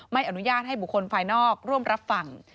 ไม่อนุญาตให้บุคคลภายนอกร่วมรับฟัง